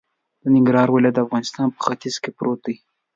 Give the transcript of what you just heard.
د ننګرهار ولایت د افغانستان په ختیځ کی پروت دی